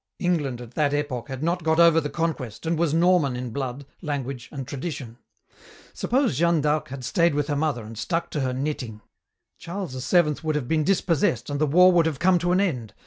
England at that epoch had not got over the Conquest and was Norman in blood, language, and tradition. Suppose Jeanne d'Arc had stayed with her mother and stuck to her knitting. Charles VII would have been dispossessed and the war would have come to an end.